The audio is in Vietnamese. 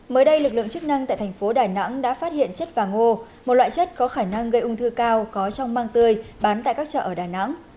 mới đây lực lượng chức năng tại thành phố đà nẵng đã phát hiện chất vàng ngô một loại chất có khả năng gây ung thư cao có trong mang tươi bán tại các chợ ở đà nẵng